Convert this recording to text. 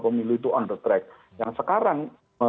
pemilu itu on the track yang sekarang